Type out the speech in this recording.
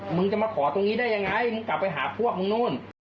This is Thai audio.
มึงจะมาขอตรงนี้ได้ยังไงมึงกลับไปหาพวกมึงนู่น